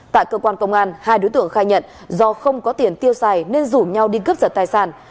tại cơ quan công an hai đối tượng khai nhận do không có tiền tiêu xài nên rủ nhau đi cướp giật tài sản